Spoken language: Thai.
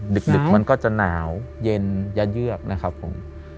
ดึกมันก็จะหนาวเย็นจะเยือกนะครับผม